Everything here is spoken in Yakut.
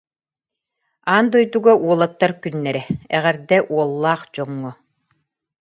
Аан дойдуга уолаттар күннэрэ. Эҕэрдэ уоллаах дьоҥҥо!